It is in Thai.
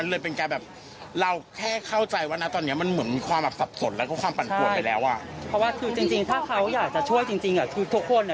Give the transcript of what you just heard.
สร้างหลักฐานเทศอะไรอย่างเงี้ยมันเริ่มแบบสับสนว่ามันคืออะไรกันแน่